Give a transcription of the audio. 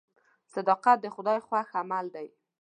صداقت د خدای خوښ عمل دی.